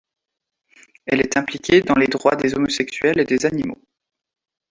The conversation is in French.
Elle est impliquée dans les droits des homosexuels et des animaux.